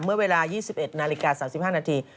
เมื่อเวลา๒๑นาฬิกา๓๕นาที